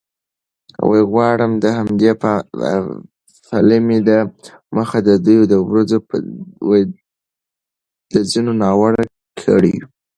غواړم د همدې پلمې له مخې د دې ورځو د ځینو ناوړه کړیو